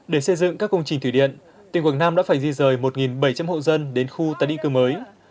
để xây dựng các công trình thủy điện tỉnh quảng nam đã phải di rời một bảy trăm linh hộ dân đến khu tái định cư mới